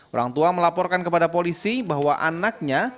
orang tua melaporkan kepada polisi bahwa anaknya